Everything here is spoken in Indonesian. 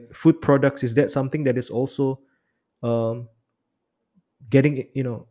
seperti produk makanan apakah itu sesuatu yang juga